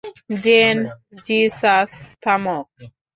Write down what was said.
Gen Jesus - থামো।